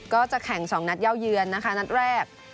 ก็จะแข่ง๒นัดเย่าเยือนนะคะนัดแรก